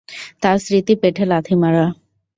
তার স্মৃতি, পেটে লাথি মারা।